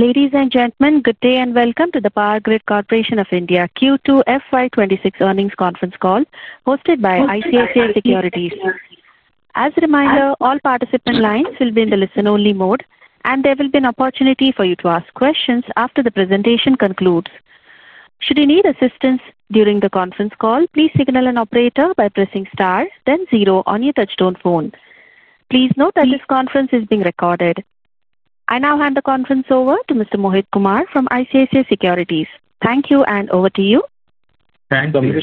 Ladies and gentlemen, good day and welcome to the Power Grid Corporation of India Q2 FY 2026 Earnings Conference Call hosted by ICICI Securities. As a reminder, all participant lines will be in the listen-only mode, and there will be an opportunity for you to ask questions after the presentation concludes. Should you need assistance during the conference call, please signal an operator by pressing star then zero on your touch-tone phone. Please note that this conference is being recorded. I now hand the conference over to Mr. Mohit Kumar from ICICI Securities. Thank you, and over to you. Thank you.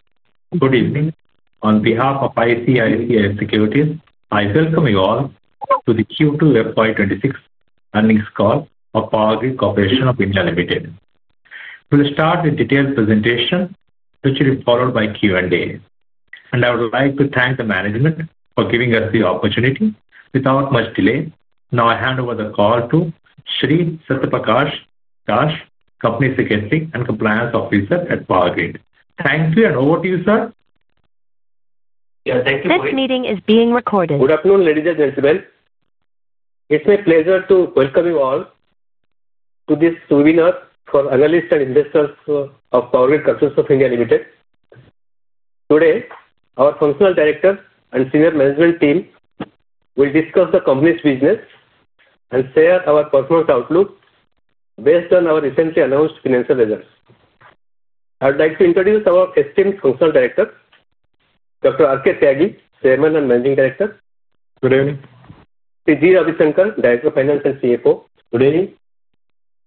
Good evening. On behalf of ICICI Securities, I welcome you all to the Q2 FY 2026 Earnings Call of Power Grid Corporation of India Limited. We'll start with a detailed presentation, which will be followed by Q&A, and I would like to thank the management for giving us the opportunity. Without much delay, now I hand over the call to Shri Satya Prakash Dash, Company Secretary and Compliance Officer at Power Grid. Thank you, and over to you, sir. Yeah. Thank you, Mohit. This meeting is being recorded. Good afternoon, ladies and gentlemen. It's my pleasure to welcome you all to this webinar for analysts and investors of Power Grid Corporation of India Limited. Today, our [functional] director and senior management team will discuss the company's business, and share our performance outlook based on our recently announced financial results. I would like to introduce our esteemed [Functional] Director, Dr. R. K. Tyagi, Chairman and Managing Director. Good evening. Shri G. Ravisankar, Director of Finance and CFO. Good evening.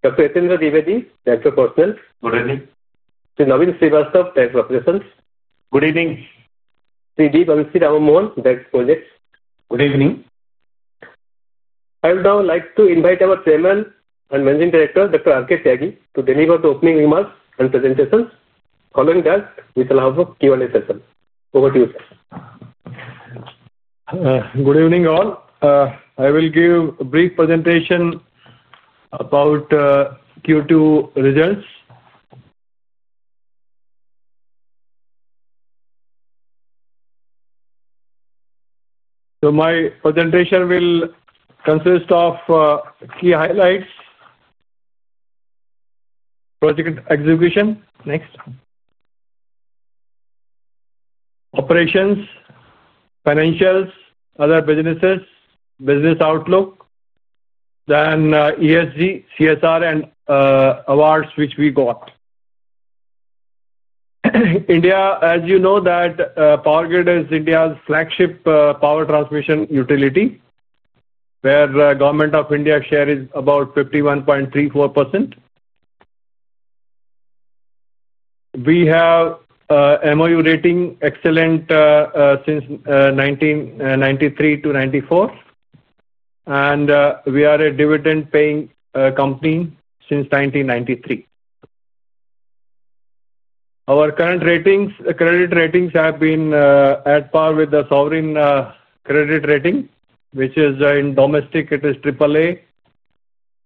Dr. Yatindra Dwivedi, Director of Personnel. Good evening. Shri Naveen Srivastava, Director of Operations. Good evening. Shri Burra Vamsi Rama Mohan, Director of Projects. Good evening. I would now like to invite our Chairman and Managing Director, Dr. R. K. Tyagi, to deliver the opening remarks and presentations, following that with the Q&A session. Over to you, sir. Good evening, all. I will give a brief presentation about Q2 results. My presentation will consist of key highlights, project execution, next, operations, financials, other businesses, business outlook, then ESG, CSR, and awards which we got. India, as you know, that Power Grid is India's flagship power transmission utility, where the Government of India shares about 51.34%. We have MOU rating excellent since 1993-1994, and we are a dividend-paying company since 1993. Our current credit ratings have been at par with the sovereign credit rating, which is in domestic, it is AAA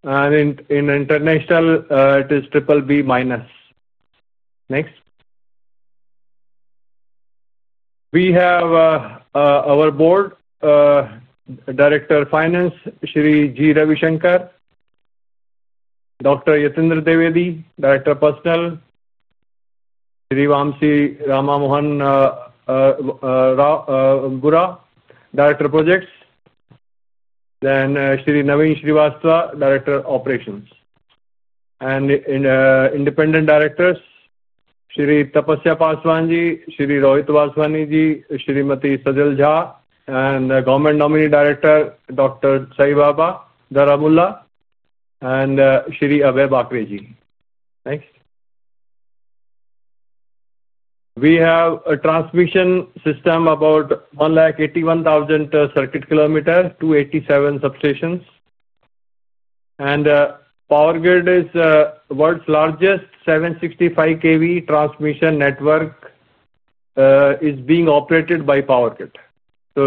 and in international, it is BBB-. Next, we have our board, Director of Finance, Shri G. Ravisankar, Dr. Yatindra Dwivedi, Srivastava, Director of Operations, and Independent Directors, Shri Tapasya Paswanji, Shri Rohit Vaswaniji, Shri Smt. Sajal Jha, and the Government Nominee Director, Dr. Saibaba Dharamulla, and Shri Abhay Bakreji. Next, we have a transmission system about 181,000 circuit kilometers, 287 substations. Power Grid is the world's largest 765 kV transmission network. It is being operated by Power Grid.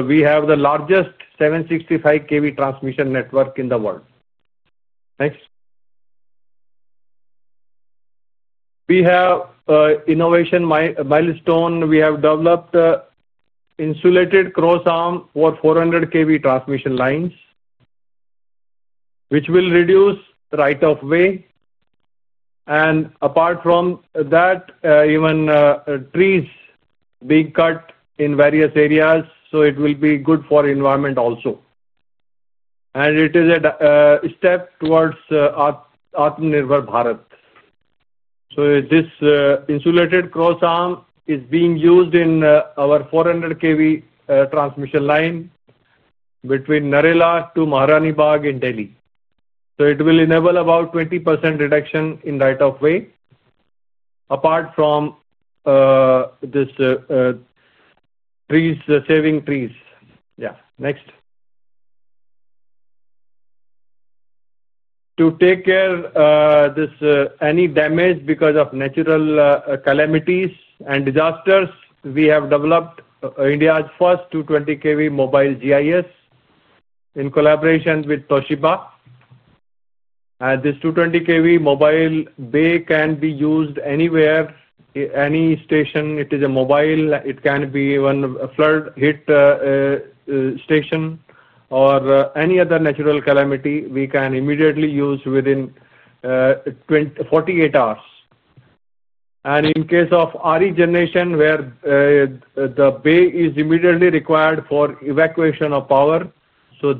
We have the largest 765 kV transmission network in the world. Next, we have an innovation milestone. We have developed insulated cross-arm for 400 kV transmission lines, which will reduce the right-of-way. Apart from that, even trees are being cut in various areas, so it will be good for the environment also. It is a step towards Atmanirbhar Bharat. This insulated cross-arm is being used in our 400 kV transmission line between Narela to Maharani Bagh in Delhi. It will enable about 20% reduction in right-of-way, apart from saving trees. Yeah, next. To take care of any damage because of natural calamities and disasters, we have developed India's first 220 kV mobile GIS in collaboration with Toshiba. This 220 kV mobile bay can be used anywhere in any station. It is mobile. It can be even, a flood-hit station or any other natural calamity, we can immediately use within 48 hours. In case of RE generation, where the bay is immediately required for evacuation of power,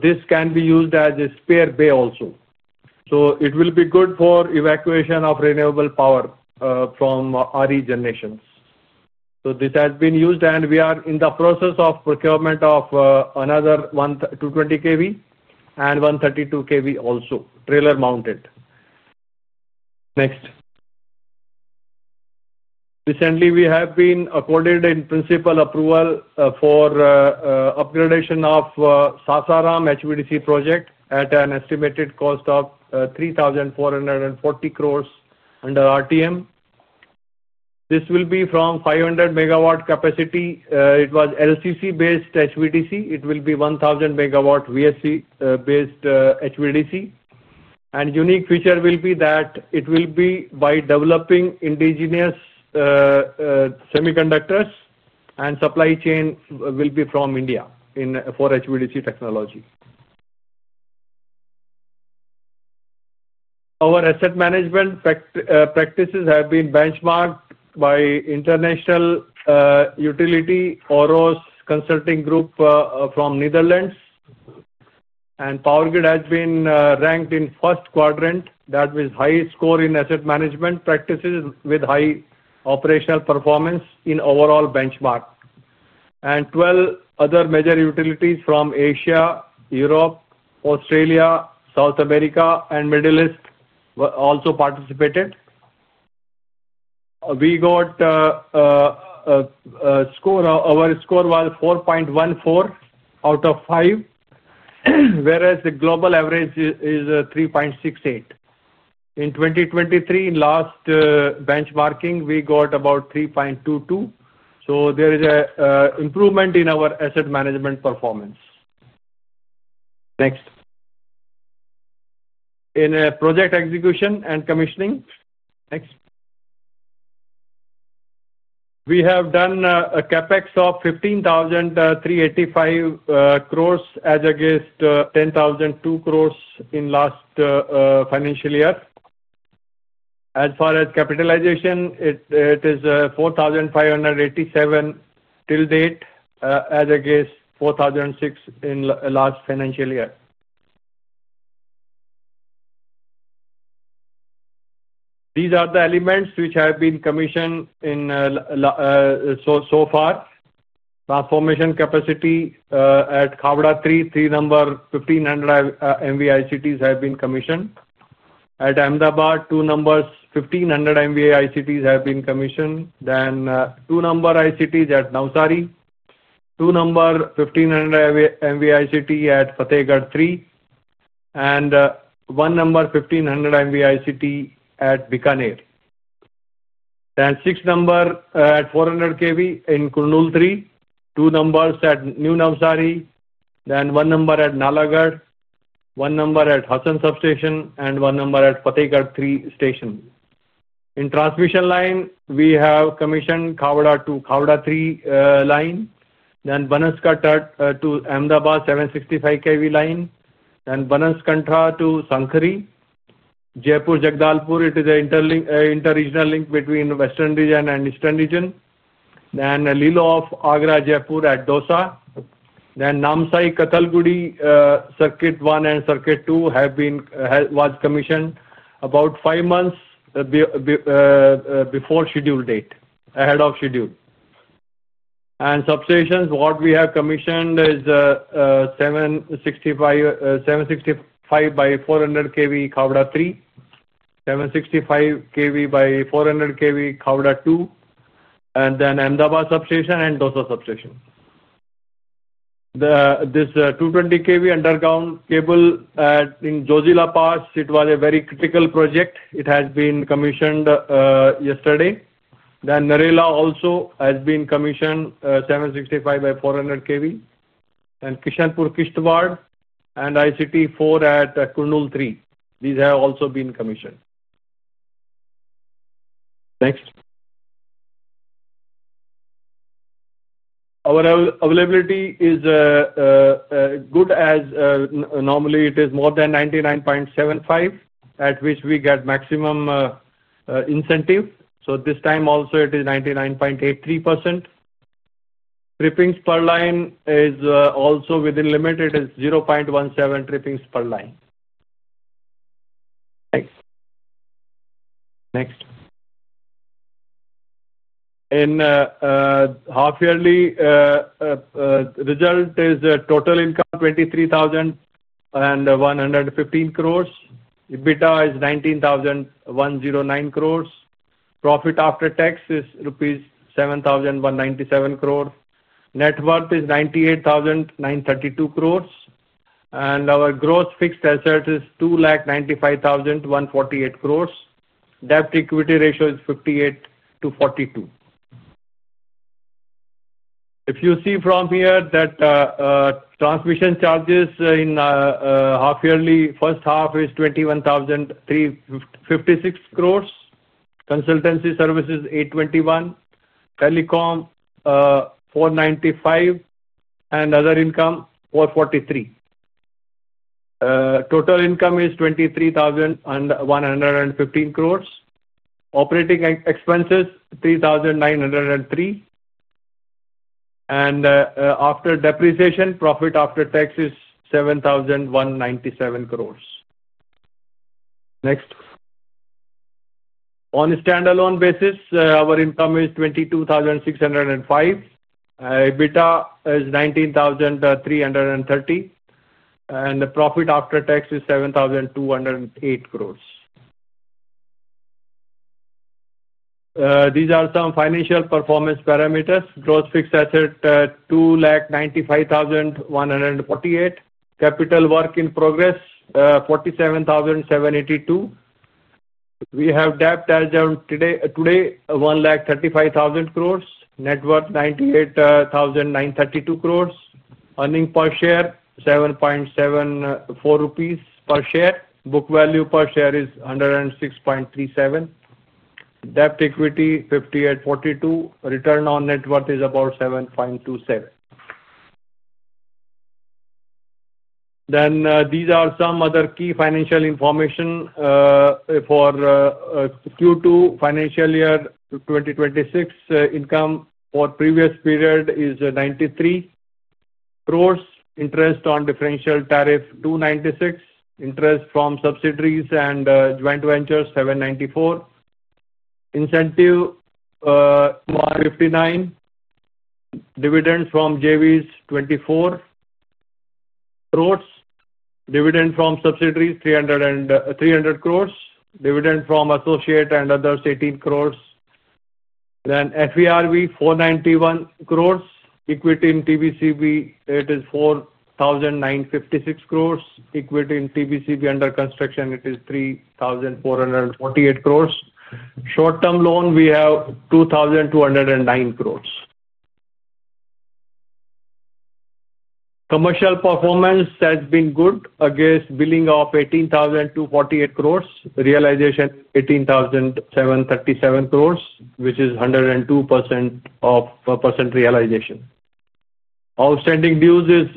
this can be used as a spare bay also. It will be good for evacuation of renewable power from RE generations. This has been used, and we are in the process of procurement of another 220 kV and 132 kV also, trailer-mounted. Next, recently, we have been accorded a principal approval for upgradation of Sasaram HVDC project, at an estimated cost of 3,440 crores under RTM. This will be from 500 MW capacity. It was LCC-based HVDC. It will be 1,000 MW VSC-based HVDC. The unique feature will be that it will be by developing indigenous semiconductors, and supply chain will be from India for HVDC technology. Our asset management practices have been benchmarked by international utility, OHROS Consulting Group from Netherlands. Power Grid has been ranked in the first quadrant. That was a high score in asset management practices, with high operational performance in overall benchmark. 12 other major utilities from Asia, Europe, Australia, South America, and the Middle East also participated. Our score was 4.14 out of five, whereas the global average is 3.68. In 2023, in the last benchmarking, we got about 3.22, so there is an improvement in our asset management performance. Next, in project execution and commissioning, next, we have done a CapEx of 15,385 crores as against 10,002 crores in the last financial year. As far as capitalization, it is 4,587 crores till date, as against 4,006 crores in the last financial year. These are the elements which have been commissioned so far. Transformation capacity at Khavda III, three-number 1,500 MVA ICTs have been commissioned. At Ahmedabad, two-number 1,500 MVA ICTs have been commissioned, then two-number ICTs at Navsari, two-number 1,500 MVA ICT at Fatehgadh-3 and one-number 1,500 MVA ICT at Bikaner. Six-number at 400 kV in Kurnool-III, two-number at New Navsari, then one-number at Nalagarh, one-number at Hasan substation, and one-number at Fatehgadh-3 station. In transmission line, we have commissioned Khavda II, Khavda III line, then Banaskanta to Ahmedabad 765 kV line, then Banaskanta to Sankhari. Jaipur-Jagdalpur, it is an inter-regional link between Western Region and Eastern Region. LILO of Agra-Jaipur at Dosa, then Namsai-Kathalguri Circuit 1 and Circuit 2 was commissioned about five months before scheduled date, ahead of schedule. Substations, what we have commissioned is 765 kV by 400 kV Khavda III, 765 kV by 400 kV Khavda II and then Ahmedabad substation and Dosa substation. This 220 kV underground cable in Zojila pass, it was a very critical project. It has been commissioned yesterday. Narela also has been commissioned 765 kV by 400 kV. Kishanpur-Kishtwar and ICT 4 at Kurnool-III, these have also been commissioned. Next, our availability is good. Normally, it is more than 99.75%, at which we get maximum incentive. This time also, it is 99.83%. Trippings per line is also within limit. It is 0.17 trippings per line. Next, in half-yearly, result is total income 23,115 crores. EBITDA is 19,109 crore. Profit after tax is rupees 7,197 crore. Net worth is 98,932 crores. Our gross fixed asset is 295,148 crores. Debt to equity ratio is 58 to 42. If you see from here, that transmission charges half-yearly, first half is 21,356 crores. Consultancy services 821, telecom495 and other income 443. Total income is 23,115 crores, operating expenses, 3,903. After depreciation, profit after tax is 7,197 crores. Next, on a standalone basis, our income is 22,605 crore. EBITDA is 19,330 crores and profit after tax is 7,208 crores. These are some financial performance parameters. Gross fixed asset, 295,148 crores. Capital work in progress, 47,782 crore. We have debt as of today, 135,000 crores. Net worth, 98,932 crores. Earning per share, 7.74 rupees per share. Book value per share is 106.37. Debt to equity, 58 to 42. Return on net worth is about 7.27. These are some other key financial information. For Q2 financial year 2026, income for previous period is 93 crores. Interest on differential tariff, 296 crore. Interest from subsidiaries and joint ventures, 794 crore. Incentive. Dividend from JVs, 24 crores. Dividend from subsidiaries, 300 crores. Dividend from associate and others, 18 crores. [FERV], 491 crores. Equity in TBCB, it is 4,956 crores. Equity in TBCB under construction, it is 3,448 crores. Short-term loan, we have 2,209 crores. Commercial performance has been good. Against billing of 18,248 crores, a realization, 18,737 crores, which is 102% of percent realization. Outstanding dues is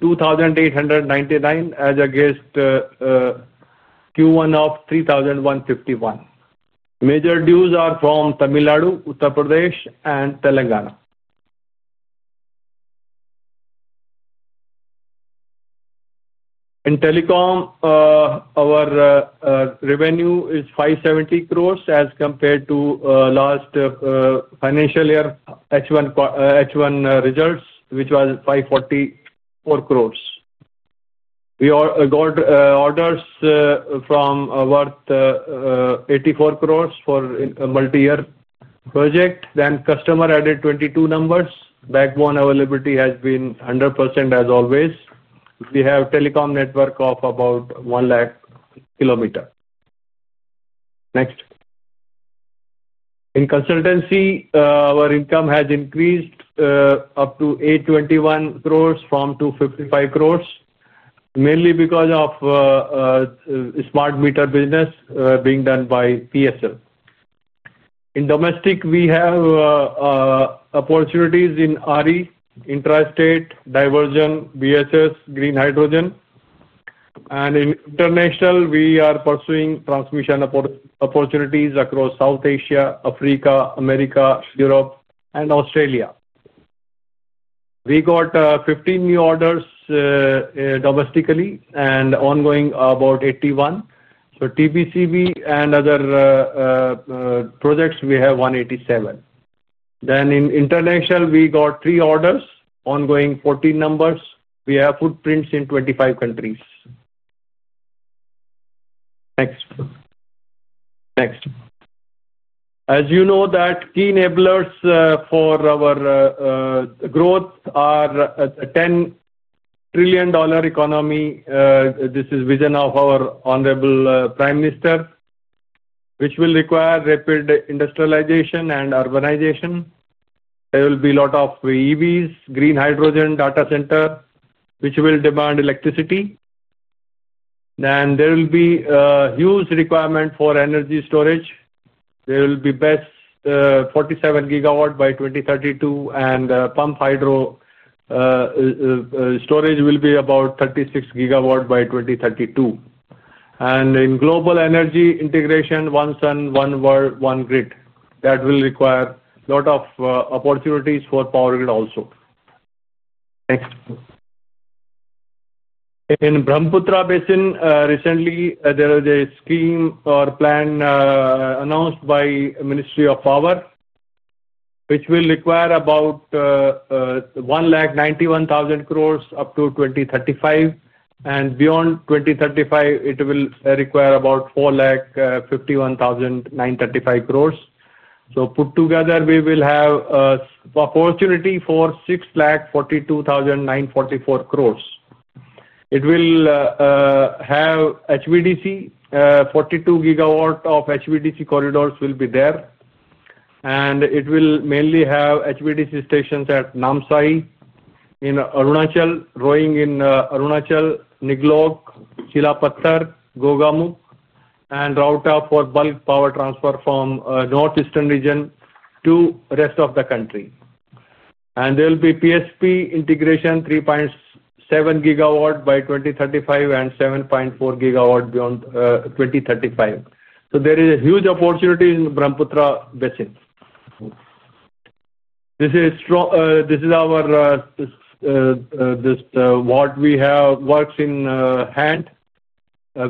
2,899 crore, as against Q1 of 3,151 crore. Major dues are from Tamil Nadu, Uttar Pradesh, and Telangana. In telecom, our revenue is 570 crores, as compared to last financial year H1 results, which was 544 crores. We got orders worth 84 crores for a multi-year project. Customer added 22 numbers. Backbone availability has been 100% as always. We have telecom network of about 100,000 km. Next, in consultancy, our income has increased up to 821 crores from 255 crores, mainly because of smart meter business being done by PSL. In domestic, we have opportunities in RE, intrastate, diversion, BSS, green hydrogen. In international, we are pursuing transmission opportunities across South Asia, Africa, America, Europe, and Australia. We got 15 new orders domestically and ongoing, about 81. TBCB and other projects, we have 187. In international, we got three orders, ongoing 14 numbers. We have footprints in 25 countries. Next, as you know, key enablers for our growth are a $10 trillion economy. This is vision of our honorable prime minister, which will require rapid industrialization and urbanization. There will be a lot of EVs, green hydrogen, data center, which will demand electricity. There will be a huge requirement for energy storage. There will be BESS 47 GW by 2032, and pump hydro storage will be about 36 GW by 2032. In global energy integration, One Sun, One World, One Grid, that will require a lot of opportunities for Power Grid also. Next please, in Brahmaputra basin, recently there is a scheme or plan announced by the Ministry of Power, which will require about 191,000 crores up to 2035. Beyond 2035, it will require about 451,935 crores. Put together, we will have opportunity for 642,944 crores. It will have HVDC. 42 GW of HVDC corridors will be there. It will mainly have HVDC stations at Namsai in Arunachal, Roing in Arunachal, Niglok, Silapathar, Gogamukh, and [route] for bulk power transfer from North Eastern Region to the rest of the country. There will be PSP integration, 3.7 GW by 2035 and 7.4 GW beyond 2035. There is a huge opportunity in Brahmaputra basin. This is what we have works in hand.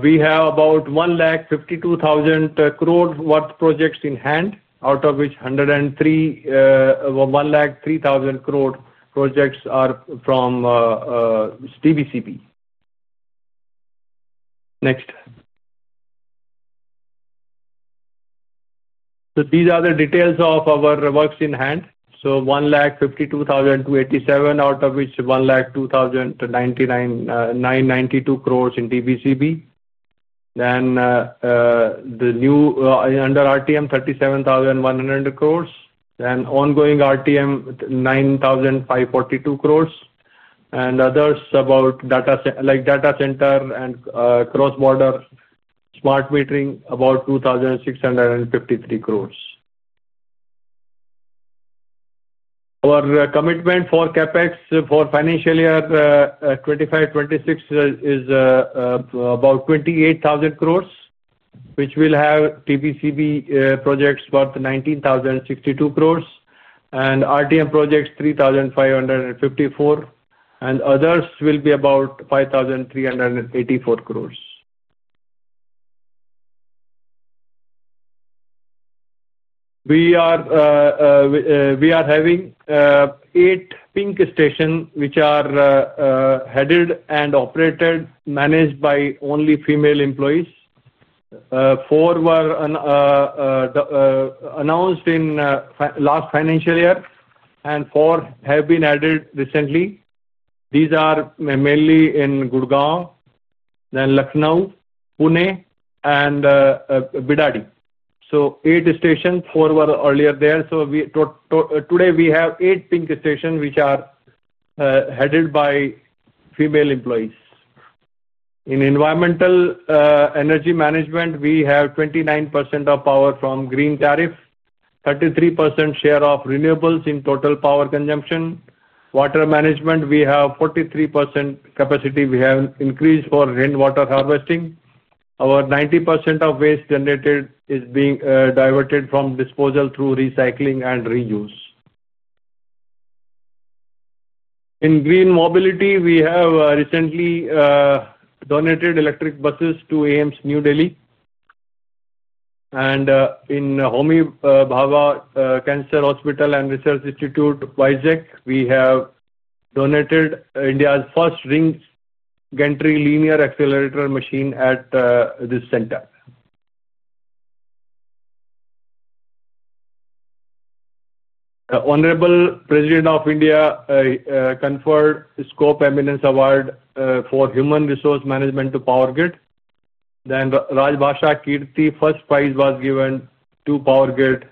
We have about 152,000 crores worth projects in hand, out of which 103,000 crore projects are from TBCB. Next, these are the details of our works in hand, so 152,287 crore, out of which 102,992 crores in TBCB. The new, under RTM is 37,100 crores. Ongoing RTM is 9,542 crores. Others, about data center and cross-border smart metering, is about INR 2,653 crores. Our commitment for CapEx for financial year 2025, 2026 is about 28,000 crores, which will have TBCB projects worth 19,062 crores, and RTM projects, 3,554 crores and others will be about 5,384 crores. We are having eight pink stations, which are headed and operated, managed by only female employees. Four were announced in last financial year, and four have been added recently. These are mainly in Gurgaon, then Lucknow, Pune, and Bidadi. Eight stations, four were earlier there. Today we have eight pink stations, which are headed by female employees. In environmental energy management, we have 29% of power from green tariff, 33% share of renewables in total power consumption. In water management, we have 43% capacity, we have increased for rainwater harvesting. Our 90% of waste generated is being diverted from disposal, through recycling and reuse. In green mobility, we have recently donated electric buses to AIIMS New Delhi. In Homi Bhava Cancer Hospital and Research Institute, Vizag, we have donated India's first ring gantry linear accelerator machine at this center. Our honorable President of India conferred a SCOPE Eminence Award for Human Resource Management to Power Grid. Rajbhasha Keerti, first prize was given to Power Grid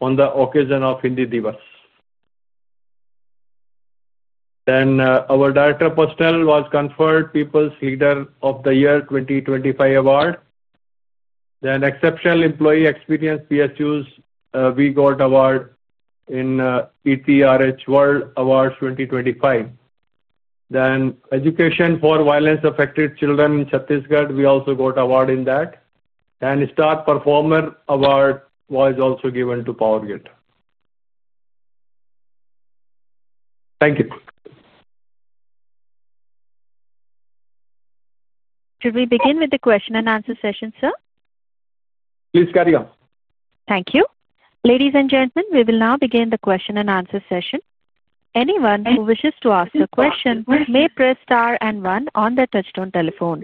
on the occasion of Hindi Divas. Our Director of Personnel was conferred People's Leader of the Year 2025 Award. Exceptional Employee Experience PSUs, we got award in ETHRWorld Awards 2025. Education for Violence-Affected Children in Chhattisgarh, we also got award in that. Star Performer Award was also given to Power Grid. Thank you. Should we begin with the question-and-answer session, sir? Please carry on. Thank you. Ladies and gentlemen, we will now begin the question-and-answer session. Anyone who wishes to ask a question may press star and one on the touch-tone telephone.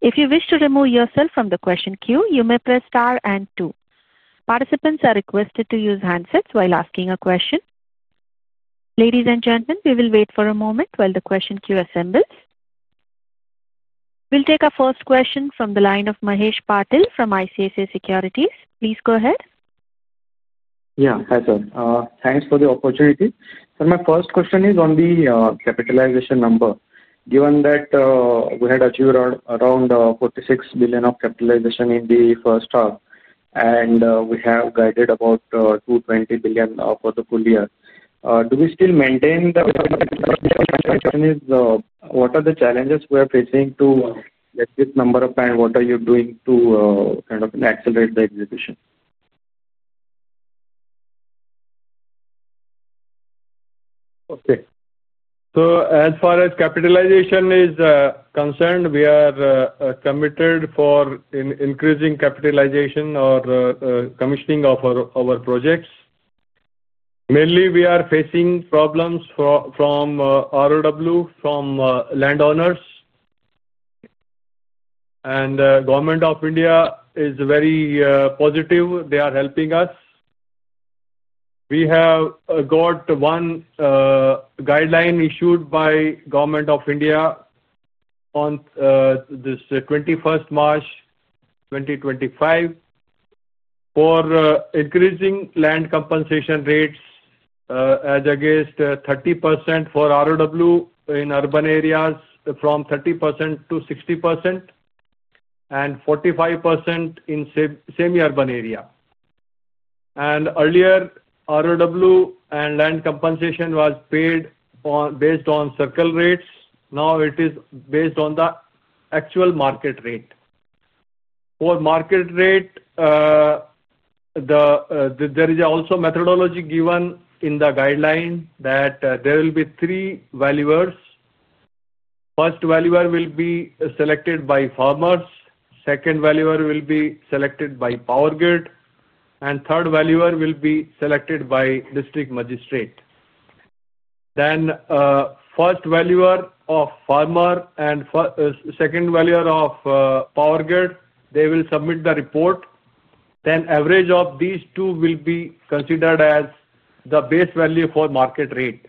If you wish to remove yourself from the question queue, you may press star and two. Participants are requested to use handsets while asking a question. Ladies and gentlemen, we will wait for a moment while the question queue assembles. We'll take our first question from the line of Mahesh Patil from ICICI Securities. Please go ahead. Yeah. Hi sir, thanks for the opportunity. Sir, my first question is on the capitalization number. Given that we had achieved around 46 billion of capitalization in the first half and we have guided about 220 billion for the full year, do we still maintain the. Question is, what are the challenges we are facing to get this number and what are you doing to kind of accelerate the execution? Okay. As far as capitalization is concerned, we are committed for increasing capitalization or commissioning of our projects. Mainly, we are facing problems from ROW, from landowners. The Government of India is very positive. They are helping us. We have got one guideline issued by the Government of India on this 21st March 2025, for increasing land compensation rates. As against 30% for ROW in urban areas, from 30%-60%, and 45% in semi-urban area. Earlier, ROW and land compensation was paid based on circle rates. Now it is based on the actual market rate. For market rate, there is also methodology given in the guideline, that there will be three valuers. First valuer will be selected by farmers. Second valuer will be selected by Power Grid. Third valuer will be selected by district magistrate. First valuer of farmer and second valuer of Power Grid, they will submit the report. Average of these two will be considered as the base value for market rate.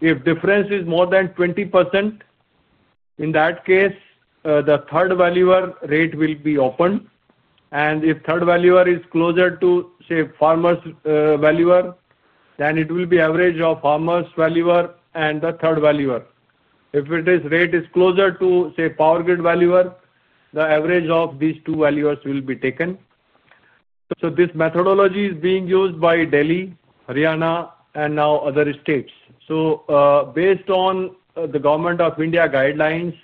If difference is more than 20%, in that case, the third valuer rate will be opened. If third valuer is closer to say, farmer's valuer, then it will be average of farmer's valuer and the third valuer. If the rate is closer to say, Power Grid valuer, the average of these two valuers will be taken. This methodology is being used by Delhi, Haryana, and now other states. Based on the Government of India guidelines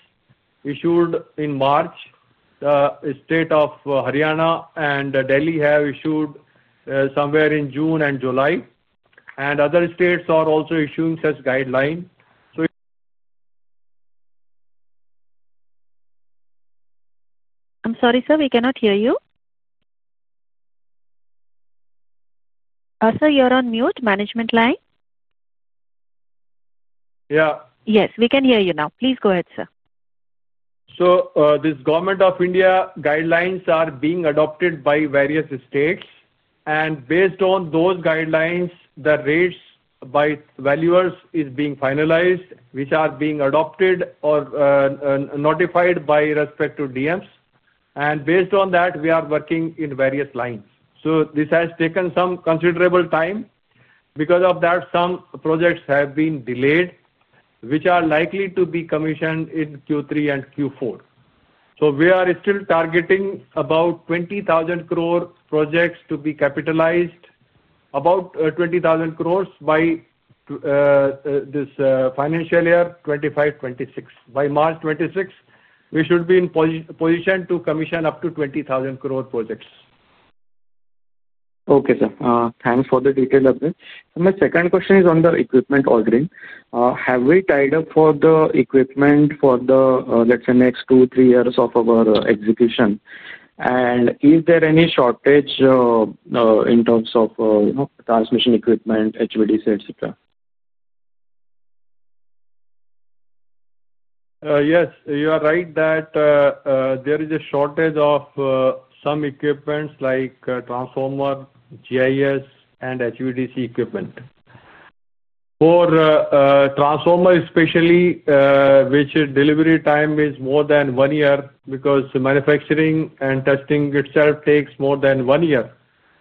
issued in March, the State of Haryana and Delhi have issued somewhere in June and July. Other states are also issuing such guideline. I'm sorry, sir, we cannot hear you. Sir, you're on mute, management line. Yeah. Yes, we can hear you now. Please go ahead, sir. These Government of India guidelines are being adopted by various states. Based on those guidelines, the rates by valuers are being finalized, which are being adopted or notified by respective DMs. Based on that, we are working in various lines. This has taken some considerable time, because of that, some projects have been delayed, which are likely to be commissioned in Q3 and Q4. We are still targeting about 20,000 crore projects to be capitalized, about 20,000 crores by this financial year 2025, 2026. By March 2026, we should be in position to commission up to 20,000 crore projects. Okay, sir. Thanks for the detailed update. My second question is on the equipment ordering. Have we tied up for the equipment for the, let's say, next two, three years of our execution? Is there any shortage in terms of transmission equipment, HVDC, etc.? Yes, you are right that there is a shortage of some equipment like transformer, GIS, and HVDC equipment. For transformer especially, which delivery time is more than one year because manufacturing and testing itself takes more than one year,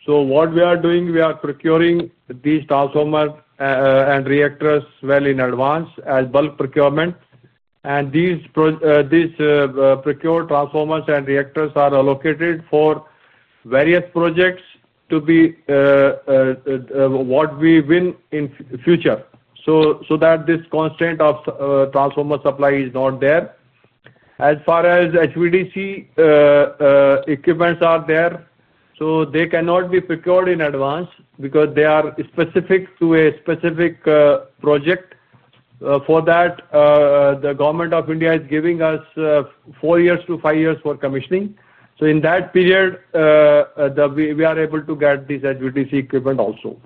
what we are doing, we are procuring these transformer and reactors well in advance as bulk procurement. These procured transformers and reactors are allocated for various projects to be what we win in future, so this constant of transformer supply is not there. As far as HVDC equipment are there, so they cannot be procured in advance because they are specific to a specific project. For that, the Government of India is giving us four years to five years for commissioning. In that period, we are able to get these HVDC equipment also.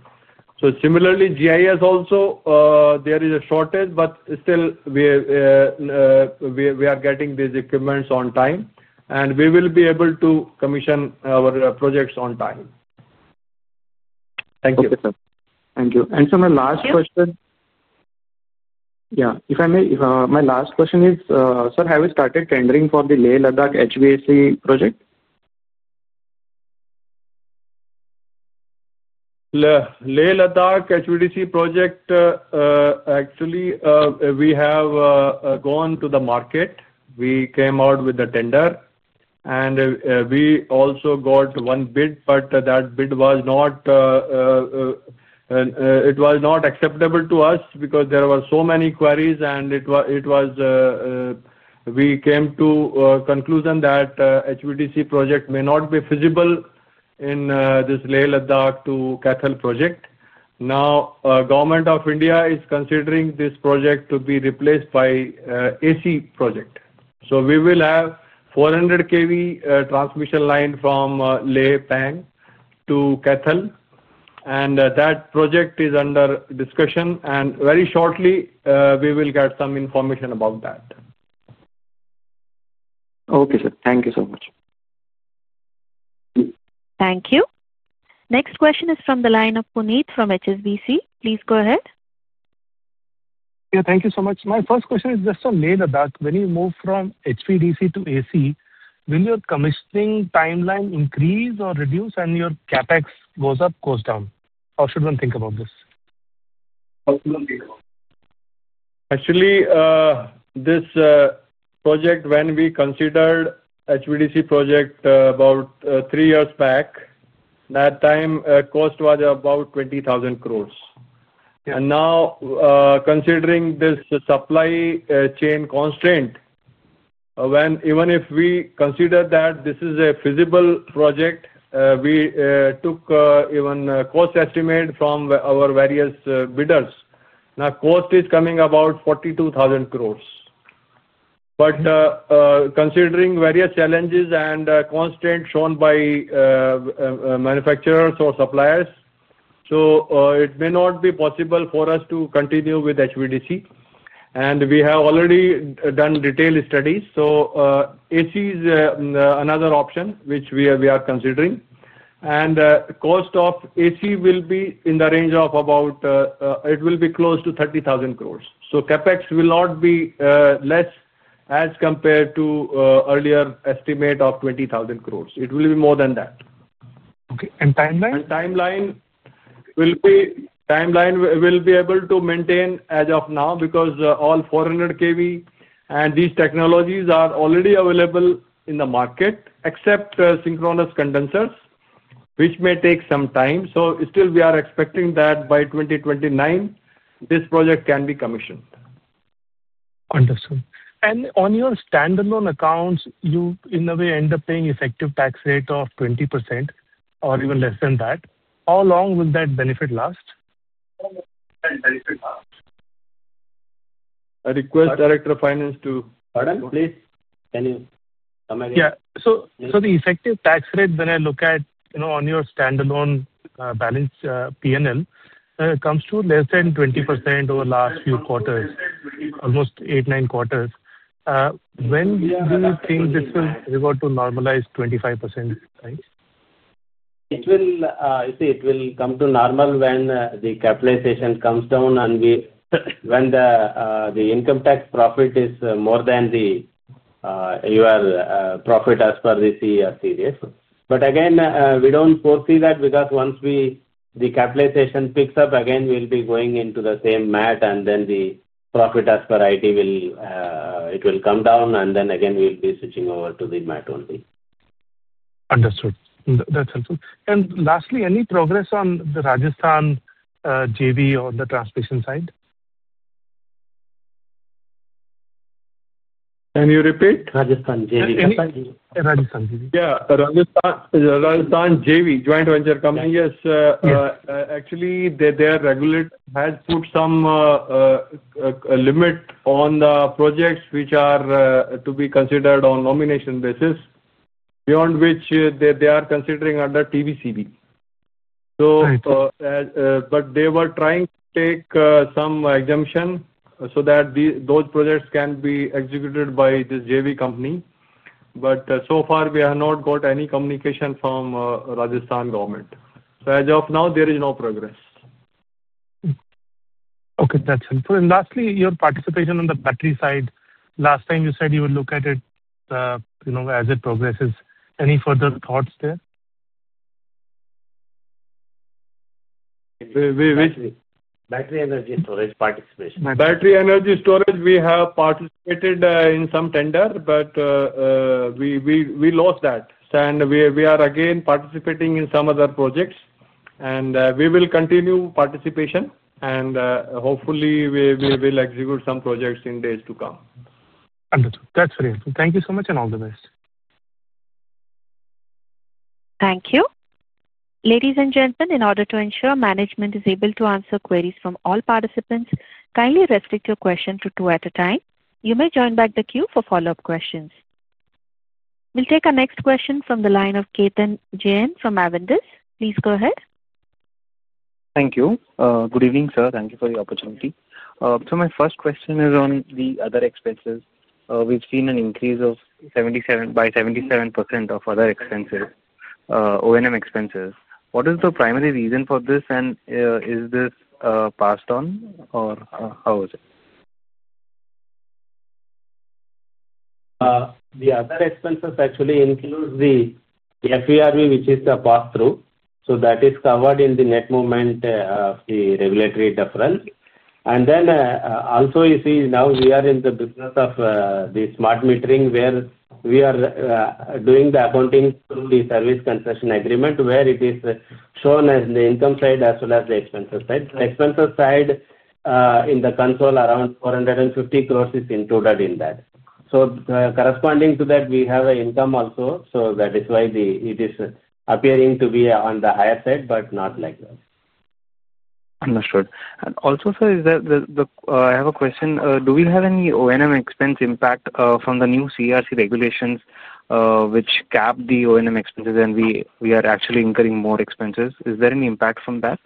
Similarly, GIS also, there is a shortage, but still we are getting these equipment on time. We will be able to commission our projects on time. Thank you. Okay, sir. Thank you. Sir, my last question. Yeah, if I may, my last question is, sir, have you started tendering for the Leh-Ladakh HVAC project? Leh-Ladakh HVDC project, actually we have gone to the market. We came out with the tender. We also got one bid, but that bid was not acceptable to us because there were so many queries. We came to a conclusion that HVDC project may not be feasible in this Leh-Ladakh to Kathal project. Now, Government of India is considering this project to be replaced by AC project. We will have 400 kV transmission line from Leh-Pang to Kathal. That project is under discussion. Very shortly, we will get some information about that. Okay, sir. Thank you so much. Thank you. Next question is from the line of Puneet from HSBC. Please go ahead. Yeah, thank you so much. My first question is just on Leh-Ladakh. When you move from HVDC to AC, will your commissioning timeline increase or reduce and your CapEx goes up, goes down? How should one think about this? Actually, this project, when we considered HVDC project about three years back, that time, cost was about 20,000 crores. Now, considering this supply chain constraint, even if we consider that this is a feasible project, we took even cost estimate from our various bidders. Now, cost is coming about 42,000 crores. Considering various challenges and constraints shown by manufacturers or suppliers, it may not be possible for us to continue with HVDC. We have already done detailed studies. AC is another option which we are considering, and the cost of AC will be close to 30,000 crores. CapEx will not be less as compared to earlier estimate of 20,000 crores. It will be more than that. Okay, and timeline? Timeline will be able to maintain as of now, because all 400 kV and these technologies are already available in the market, except synchronous condensers which may take some time. Still, we are expecting that by 2029, this project can be commissioned. Understood. On your standalone accounts, you, in a way, end up paying effective tax rate of 20% or even less than that. How long will that benefit last? I request Director of Finance to. Pardon. Please can you come again? Yeah. The effective tax rate, when I look at your standalone balance P&L, it comes to less than 20% over the last few quarters, almost eight, nine quarters. When do you think this will revert to normalized 25% rate? You see, it will come to normal when the capitalization comes down, when the income tax profit is more than your profit as per the CER period. Again, we do not foresee that because once the capitalization picks up, again we will be going into the same MAT and then the profit as per IT will come down, and then again, we will be switching over to the MAT only. Understood, that's helpful. Lastly, any progress on the Rajasthan JV or the transmission side? Can you repeat? Rajasthan JV. Yeah. Rajasthan JV, Joint Venture Company, yes. Actually, their regulator has put some limit on the projects which are to be considered on nomination basis, beyond which they are considering under TBCB. They were trying to take some exemption, so that those projects can be executed by this JV company. So far, we have not got any communication from Rajasthan Government. As of now, there is no progress. Okay, that's helpful. Lastly, your participation on the battery side, last time you said you would look at it as it progresses. Any further thoughts there? Battery energy storage participation. Battery energy storage, we have participated in some tender, but we lost that. We are again participating in some other projects. We will continue participation, and hopefully, we will execute some projects in days to come. Understood, that's very helpful. Thank you so much, and all the best. Thank you. Ladies and gentlemen, in order to ensure management is able to answer queries from all participants, kindly restrict your question to two at a time. You may join back the queue for follow-up questions. We'll take our next question from the line of Ketan Jain from Avendus. Please go ahead. Thank you. Good evening, sir. Thank you for your opportunity. My first question is on the other expenses. We've seen an increase of 77% of other O&M expenses. What is the primary reason for this, and is this passed on or how is it? The other expenses actually include the FERV, which is the pass-through. That is covered in the net moment of the regulatory deferral. You see, now we are in the business of the smart metering, where we are doing the accounting through the service concession agreement, where it is shown as the income side as well as the expenses side. Expenses side, in the console, around 450 crores is included in that. Corresponding to that, we have an income also. That is why it is appearing to be on the higher side, but not like that. Understood. Also, sir, I have a question. Do we have any O&M expense impact from the new CERC regulations which cap the O&M expenses, and we are actually incurring more expenses? Is there any impact from that?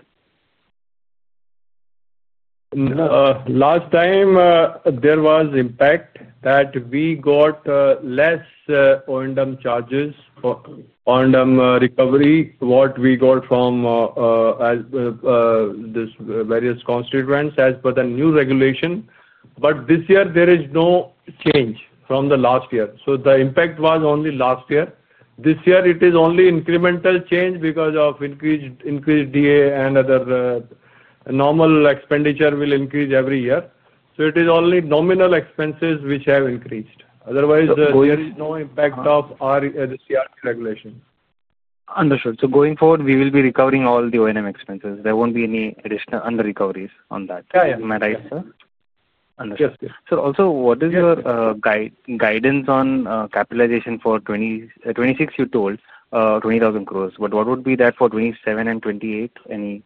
No. Last time, there was impact, that we got less O&M charges, O&M recovery, what we got from these various constituents as per the new regulation. This year, there is no change from last year. The impact was only last year. This year, it is only incremental change because of increased DA and normal expenditure will increase every year. It is only nominal expenses which have increased. Otherwise, there is no impact of CERC regulation. Understood. Going forward, we will be recovering all the O&M expenses. There won't be any additional under-recoveries on that, am I right, sir? Yeah. Understood. Sir, also, what is your guidance on capitalization for 2026? You told 20,000 crores. What would be that for 2027 and 2028, any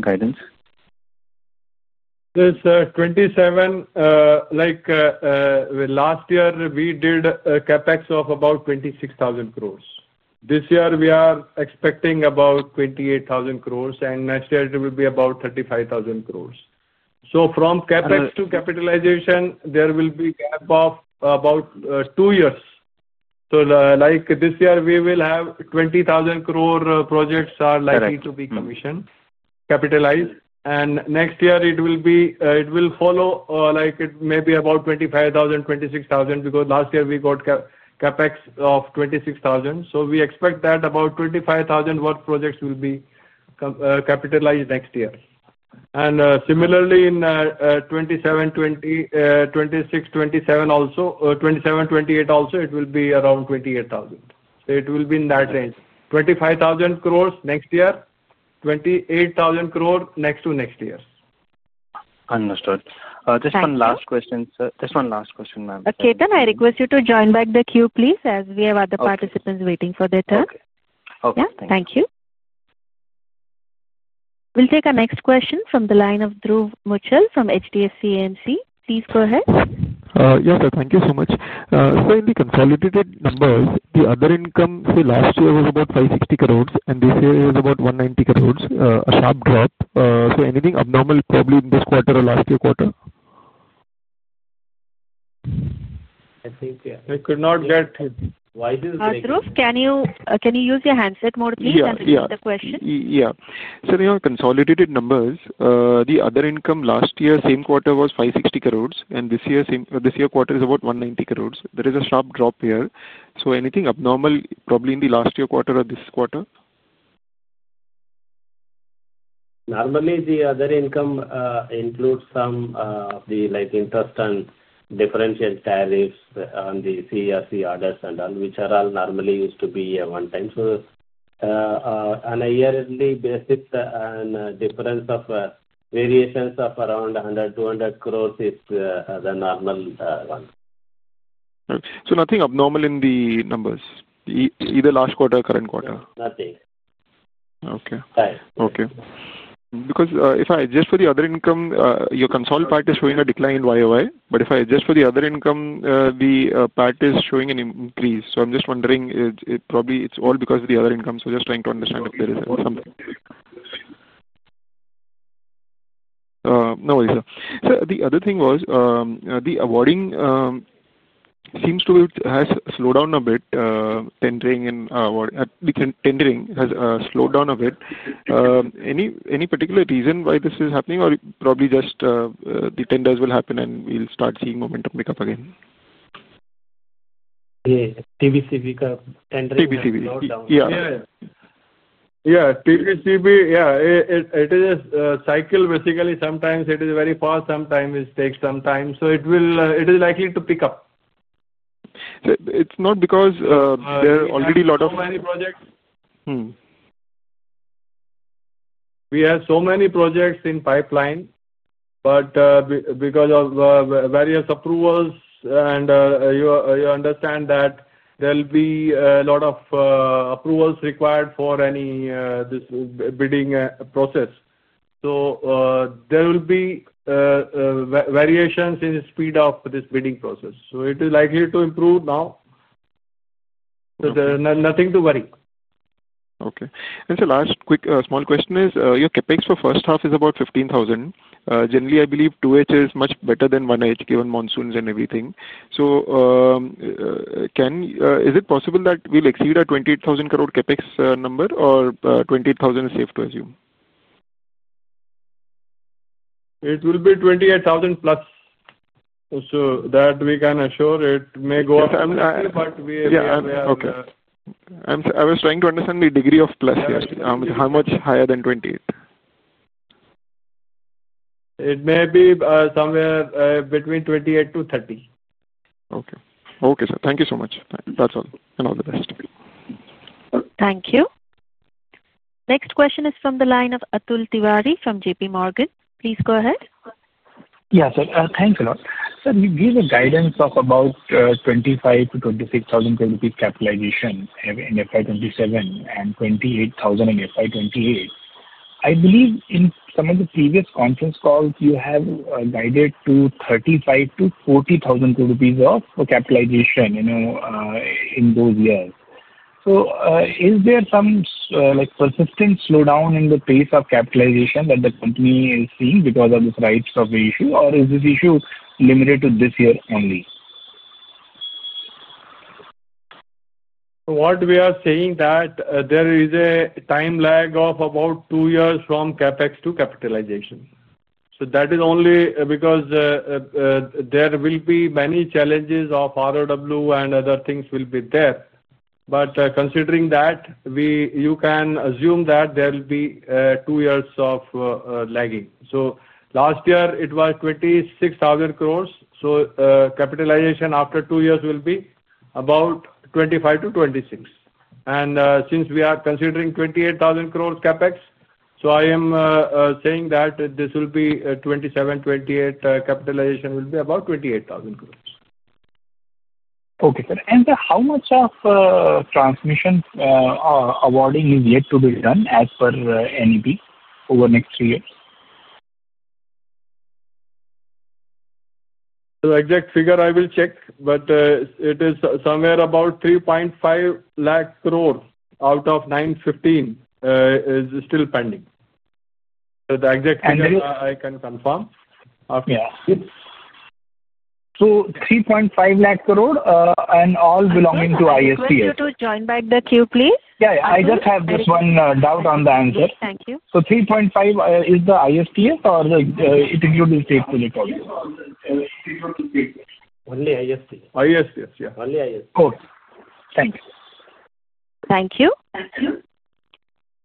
guidance? Sir, 2027, like last year, we did a CapEx of about 26,000 crores. This year, we are expecting about 28,000 crores, and next year, it will be about 35,000 crores. From CapEx to capitalization, there will be a gap of about two years. This year, we will have, 20,000 crore projects are likely to be commissioned, capitalized. Next year, it will follow. It may be about 25,000-26,000, because last year, we got CapEx of 26,000. We expect that about 25,000 work projects will be capitalized next year. Similarly, in 2026-2027 also, 2027-2028 also, it will be around 28,000. It will be in that range. 25,000 crores next year, 28,000 crores next to next year. Understood. Just one last question, sir. Just one last question, ma'am. Ketan, I request you to join back the queue, please, as we have other participants waiting for their turn. Okay. Yeah. Thank you. We'll take our next question from the line of Dhruv Muchhal from HDFC AMC. Please go ahead. Yes, sir. Thank you so much. Sir, in the consolidated numbers, the other income say, last year was about 560 crores, and this year is about 190 crores, a sharp drop. Anything abnormal probably in this quarter or last year quarter? I could not get. Dhruv, can you use your handset mode, please, and repeat the question? Yeah. Sir, in your consolidated numbers, the other income last year, same quarter was 560 crores, and this year quarter is about 190 crores. There is a sharp drop here. Anything abnormal probably in the last year quarter or this quarter? Normally, the other income includes some of the [interest] and differential tariffs on the CERC orders and all, which are all normally used to be one time. On a yearly basis, the difference of variations of around 100 crore-200 crores is the normal one. Oka, so nothing abnormal in the numbers, either last quarter or current quarter? Nothing. Okay, because if I adjust for the other income, your consolidated part is showing a decline in YOY. If I adjust for the other income, the part is showing an increase. I'm just wondering, probably it's all because of the other income. Just trying to understand if there was something. No worries, sir. Sir, the other thing was the awarding. Seems to have slowed down a bit. Tendering has slowed down a bit. Any particular reason why this is happening, or probably just the tenders will happen and we will start seeing momentum pick up again? Yeah. TBCB tendering slowed down. TBCB, yeah. It is a cycle. Basically, sometimes it is very fast, sometimes it takes some time. It is likely to pick up. We have so many projects in pipeline, but because of various approvals, and you understand that there will be a lot of approvals required for any bidding process, so there will be variations in the speed of this bidding process. It is likely to improve now, so there is nothing to worry. Okay. Sir, last quick small question is, your CapEx for first half is about 15,000. Generally, I believe two H is much better than one H, given monsoons and everything. Is it possible that we will exceed our 28,000 crore CapEx number or 28,000 is safe to assume? It will be 28,000+. Also, that we can assure. It may go up. We are. Okay. I was trying to understand the degree of plus here. How much higher than 28,000? It may be somewhere between 28,000-30,000. Okay, sir. Thank you so much. That is all, and all the best. Thank you. Next question is from the line of Atul Tiwari from JPMorgan. Please go ahead. Yeah, sir. Thanks a lot. Sir, you gave a guidance of about 25,000 crore-26,000 crore rupees capitalization in FY 2027 and 28,000 crore in FY 2028. I believe in some of the previous conference calls, you have guided to 35,000 crores-40,000 crore rupees of capitalization in those years. Is there some persistent slowdown in the pace of capitalization that the company is seeing because of this right of the issue, or is this issue limited to this year only? What we are seeing is that there is a time lag of about two years from CapEx to capitalization. That is only because there will be many challenges of ROW and other things will be there. Considering that, you can assume that there will be two years of lagging. Last year, it was 26,000 crores. Capitalization after two years will be about 25,000 crores-26,000 crores. Since we are considering 28,000 crore CapEx, so I am saying that this will be 2027-2028, capitalization will be about 28,000 crores. Okay, sir. How much of transmission awarding is yet to be done as per NEP over next three years? The exact figure, I will check, but it is somewhere about 350 crores billion out of 915 billion that's still pending. The exact figure, I can confirm. Yes, so 3.5 lakh crore and all belonging to ISPS? Atul, would you join back the queue, please? Yeah. I just have this one doubt on the answer. Thank you. 3.5 is the ISPS or it includes? Only ISPS. ISPS, yeah. Only ISPS. Only ISPS. [Got it]. Thank you. Thank you.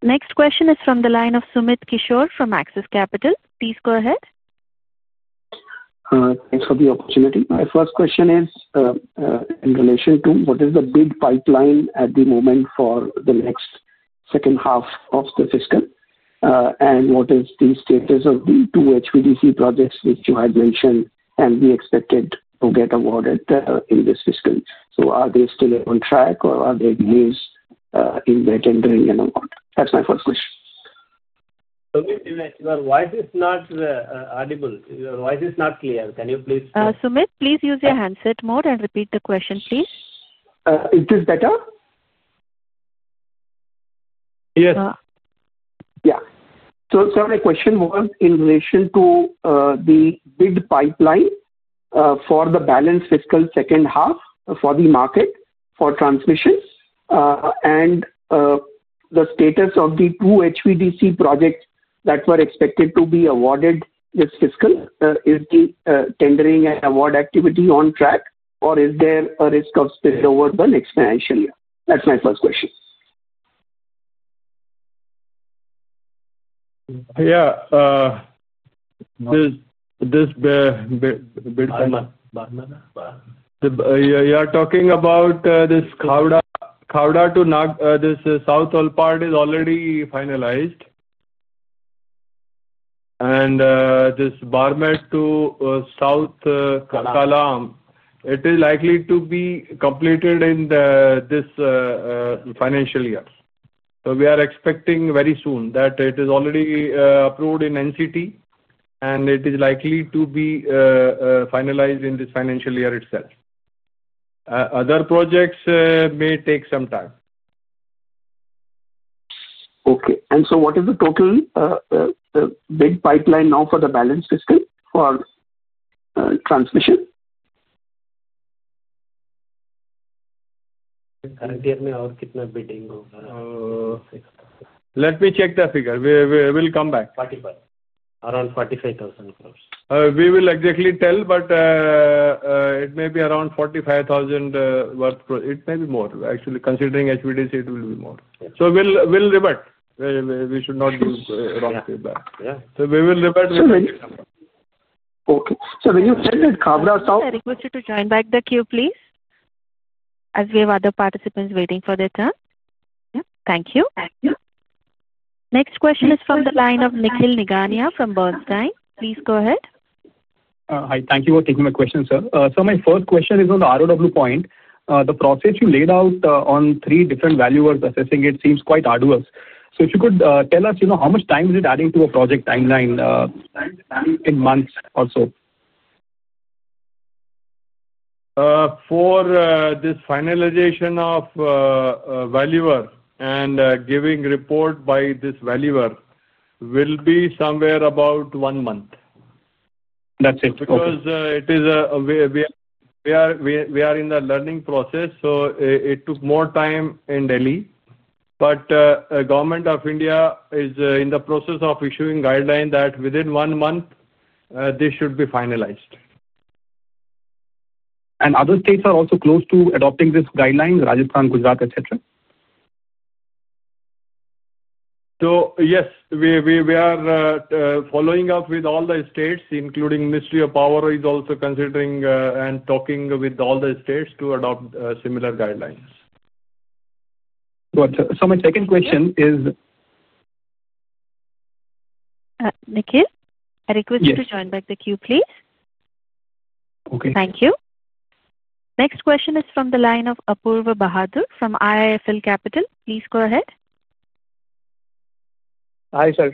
Next question is from the line of Sumit Kishore from Axis Capital. Please go ahead. Thanks for the opportunity. My first question is, in relation to, what is the big pipeline at the moment for the next second half of the fiscal? What is the status of the two HVDC projects which you had mentioned, and we expected to get awarded in this fiscal? Are they still on track, or are there delays in their tendering? That's my first question. Sumit, why is this not audible? Why is this not clear? Can you please? Sumit, please use your handset mode and repeat the question, please. Is this better? Yes. No. Yeah. My question was in relation to the big pipeline for the balanced fiscal second half for the market for transmissions. The status of the two HVDC projects that were expected to be awarded this fiscal, is the tendering and award activity on track or is there a risk of spillover done exponentially? That's my first question. Yeah. You are talking about this Khavda to Nag, this South Olpad is already finalized. This Barmett to South Kalam, it is likely to be completed in this financial year. We are expecting very soon that it is already approved in NCT, and it is likely to be finalized in this financial year itself. Other projects may take some time. Okay. What is the total big pipeline now for the balanced fiscal for transmission? Current year? Let me check the figure. We will come back. Around 45,000 crores. We will exactly tell, but it may be around 45,000 crores. It may be more. Actually, considering HVDC, it will be more. We will revert. We should not give wrong feedback. We will revert. Okay. When you said that Khavda. I request you to join back the queue please, as we have other participants waiting for their turn. Yeah. Thank you. Thank you. Next question is from the line of Nikhil Nigania from Bernstein. Please go ahead. Hi. Thank you for taking my question, sir. My first question is on the ROW point. The process you laid out on three different valuers assessing, it seems quite arduous. If you could tell us how much time is it adding to a project timeline in months or so? For this finalization of valuer and giving report by this valuer, will be somewhere about one month. That's it, okay. We are in the learning process, so it took more time in Delhi. The Government of India is in the process of issuing guidelines that within one month, this should be finalized. Are other states also close to adopting this guideline, Rajasthan, Gujarat, etc.? Yes, we are following up with all the states, including Ministry of Power, who is also considering and talking with all the states to adopt similar guidelines. Nikhil, I request you to join back the queue, please. Okay. Thank you. Next question is from the line of Apurva Bhadr from IIFL Capital. Please go ahead. Hi, sir.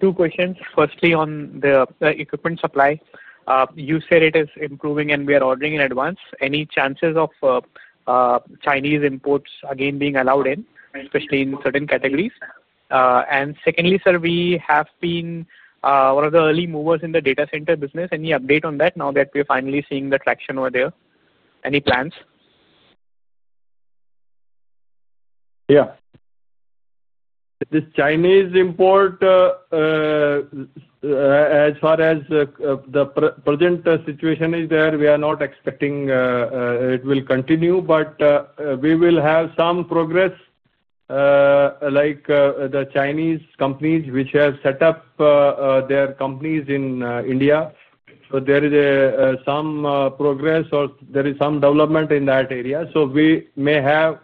Two questions. Firstly, on the equipment supply. You said it is improving, and we are ordering in advance. Any chances of Chinese imports again being allowed in, especially in certain categories? Secondly, sir, we have been one of the early movers in the data center business. Any update on that, now that we are finally seeing the traction over there, any plans? Yeah. The Chinese import, as far as the present situation is there, we are not expecting it will continue, but we will have some progress. Like the Chinese companies which have set up their companies in India, so there is some progress or there is some development in that area. We may have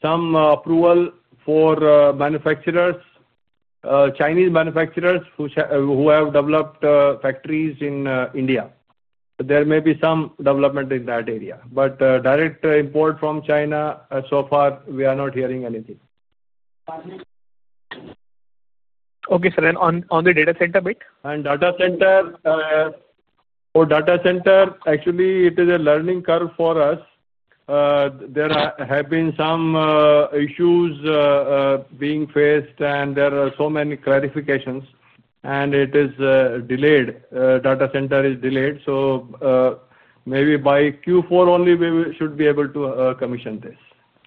some approval for manufacturers, Chinese manufacturers who have developed factories in India. There may be some development in that area. Direct import from China, so far, we are not hearing anything. Okay, sir. On the data center bit? Data center. For data center, actually it is a learning curve for us. There have been some issues being faced, and there are so many clarifications and it is delayed. Data center is delayed. Maybe by Q4 only, we should be able to commission this,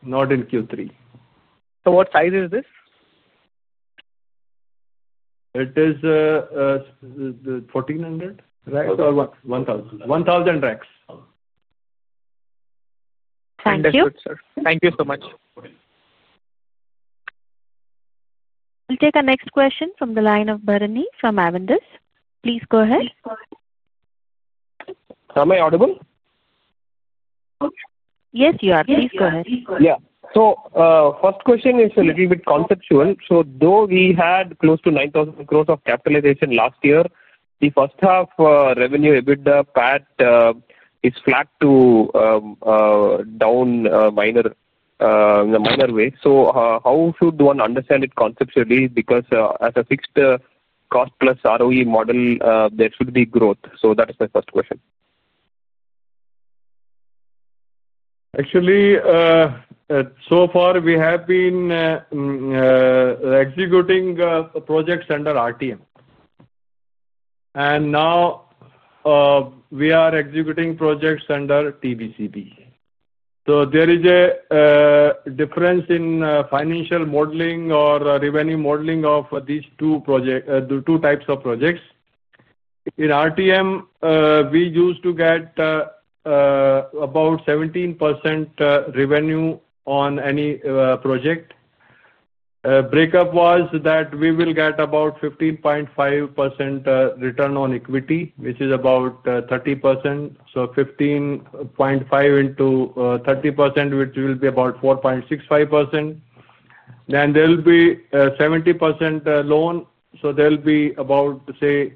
not in Q3. What size is this? It is 1,400 racks or what? 1,000. 1,000 racks. Thank you. Thank you so much. We'll take a next question from the line of Bharani from Avendus. Please go ahead. Am I audible? Yes, you are. Please go ahead. Yeah. First question is a little bit conceptual. Though we had close to 9,000 crores of capitalization last year, the first half revenue, EBITDA, PAT is flat to down in a minor way. How should one understand it conceptually? As a fixed cost plus ROE model, there should be growth. That is my first question. Actually, so far, we have been executing projects under RTM. Now we are executing projects under TBCB. There is a difference in financial modeling or revenue modeling of these two types of projects. In RTM, we used to get about 17% revenue on any project. Breakup was that we will get about 15.5% return on equity, which is about 30%.15.5 into 30%, which will be about 4.65%. There will be 70% loan, so there will be about say,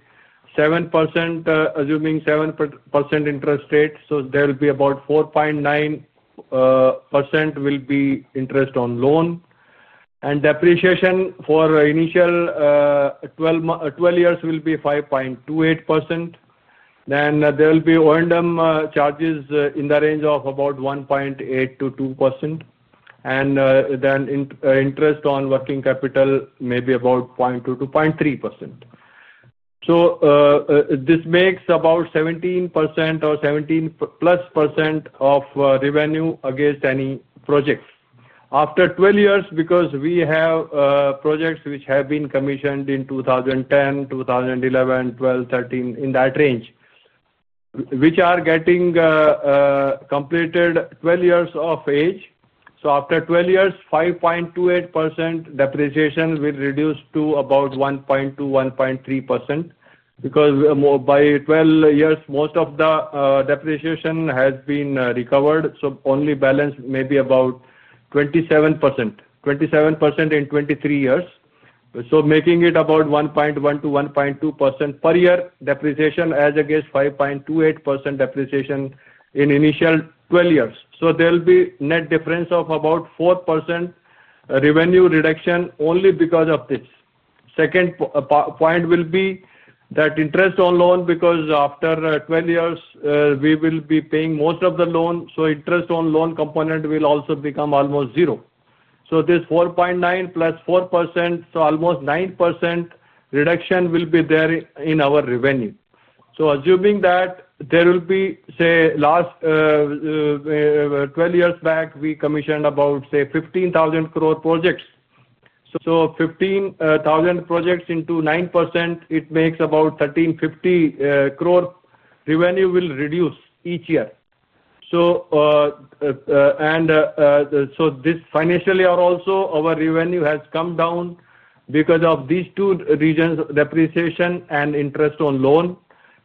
7%, assuming 7% interest rate. About 4.9% will be interest on loan. Depreciation for initial 12 years will be 5.28%. There will be O&M charges in the range of about 1.8%-2%, and then interest on working capital may be about 0.2%-0.3%. This makes about 17% or 17%+ of revenue against any projects. After 12 years, because we have projects which have been commissioned in 2010, 2011, 2012, 2013, in that range, which are getting completed 12 years of age, so after 12 years, 5.28% depreciation will reduce to about 1.2%-1.3%. By 12 years, most of the depreciation has been recovered, so only balance may be about 27%. 27% in 23 years, so making it about 1.1%-1.2% per year depreciation, as against 5.28% depreciation in initial 12 years. There will be net difference of about 4% revenue reduction, only because of this. Second point will be that interest on loan, because after 12 years, we will be paying most of the loan. Interest on loan component will also become almost zero. This 4.9% plus 4%, so almost 9% reduction will be there in our revenue. Assuming that say, last 12 years back, we commissioned about say, 15,000 crore projects. 15,000 crore projects into 9%, it makes about 1,350 crore, revenue will reduce each year. Financially, also our revenue has come down because of these two reasons, ofdepreciation and interest on loan.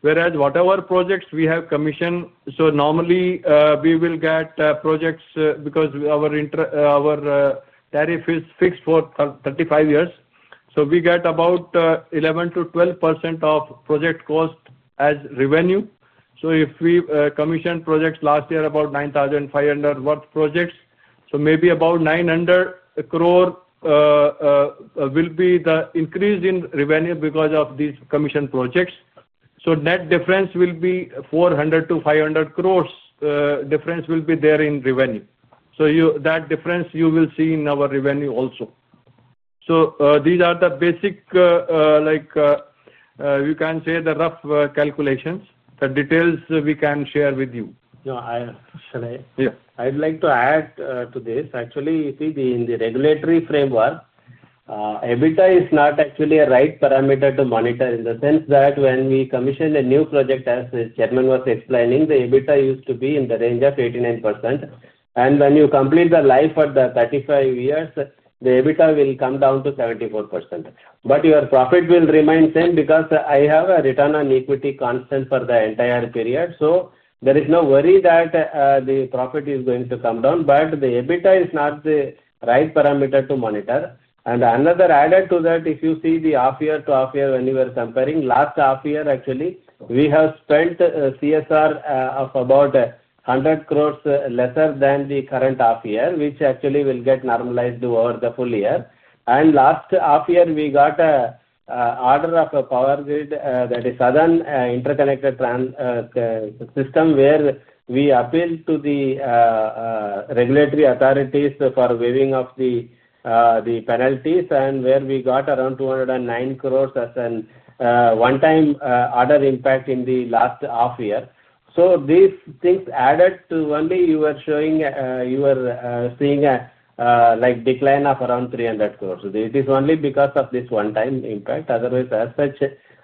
Whereas whatever projects we have commissioned, so normally, we will get projects because our tariff is fixed for 35 years. We get about 11%-12% of project cost as revenue. If we commissioned projects last year, about 9,500 crore worth projects, so maybe about 900 crore will be the increase in revenue because of these commissioned projects. Net difference will be, 400 crores-500 crores difference will be there in revenue. That difference, you will see in our revenue also. These are the basic, you can say, the rough calculations. The details we can share with you. Yeah, I'd like to add to this. Actually, in the regulatory framework, EBITDA is not actually a right parameter to monitor, in the sense that when we commissioned a new project, as the chairman was explaining, the EBITDA used to be in the range of 89%. When you complete the life at the 35 years, the EBITDA will come down to 74%. Your profit will remain same, because I have a return on equity constant for the entire period. There is no worry that the profit is going to come down, the EBITDA is not the right parameter to monitor. Another added to that, if you see the half year to half year when you are comparing, last half year actually, we have spent CSR of about 1 billion lesser than the current half year, which actually will get normalized over the full year. Last half year, we got an order of Power Grid that is Southern Interconnected System, where we appealed to the regulatory authorities for waiving of the penalties and where we got around 209 crores as a one-time order impact in the last half year. These things added to only, you are seeing a decline of around 300 crores. It is only because of this one-time impact. Otherwise, as such,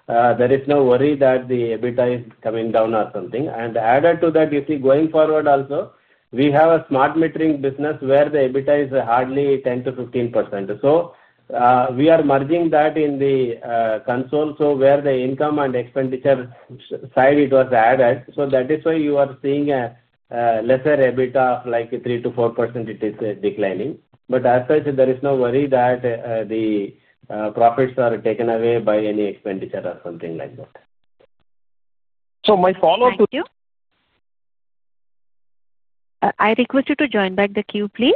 there is no worry that the EBITDA is coming down or something. Added to that, you see going forward also, we have a smart metering business where the EBITDA is hardly 10%-15%. We are merging that in the console, so where the income and expenditure side was added. That is why you are seeing a lesser EBITDA of like 3%-4%, it is declining. As such, there is no worry that the profits are taken away by any expenditure or something like that. Thank you. I request you to join back the queue please.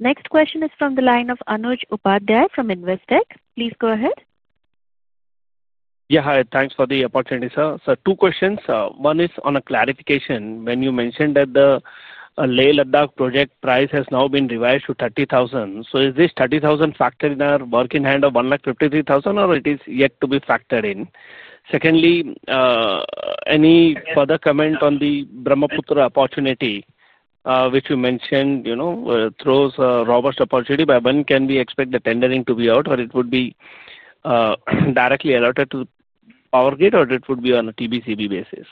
Next question is from the line of Anuj Upadhyay from Investec. Please go ahead. Yeah, hi. Thanks for the opportunity, sir. Two questions. One is on a clarification. When you mentioned that the Leh-Ladakh project price has now been revised to 30,000 croreso is this 30,000 crore factored in our working hand of 153,000 crores or is it yet to be factored in? Secondly, any further comment on the Brahmaputra opportunity which you mentioned throws a robust opportunity? When can we expect the tendering to be out or it would be directly allotted to Power Grid or would it be on a TBCB basis?